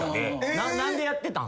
何でやってたん？